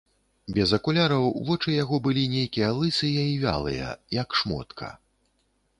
Без акуляраў вочы яго былі нейкія лысыя і вялыя, як шмотка.